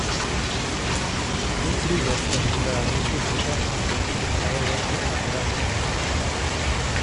Un trigger o disparador se ejecuta ante un determinado evento de manera automática.